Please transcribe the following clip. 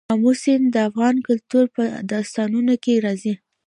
آمو سیند د افغان کلتور په داستانونو کې راځي.